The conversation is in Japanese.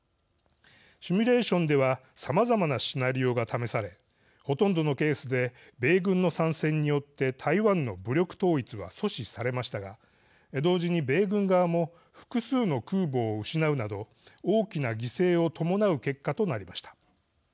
シミュレーションではさまざまなシナリオが試されほとんどのケースで米軍の参戦によって台湾の武力統一は阻止されましたが同時に米軍側も複数の空母を失うなど、大きな犠牲を伴う結果となりました。